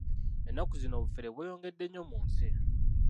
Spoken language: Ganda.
Ennaku zino obufere bweyongedde nnyo mu nsi.